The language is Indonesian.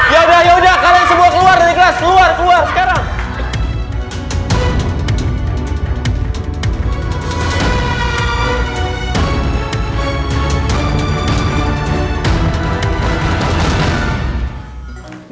ya udah ya udah kalian semua keluar dari kelas keluar keluar sekarang